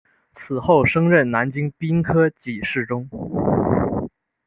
此后升任南京兵科给事中。